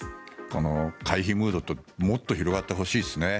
この回避ムードもっと広がってほしいですね。